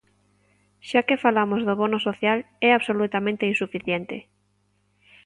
Xa que falamos do bono social, é absolutamente insuficiente.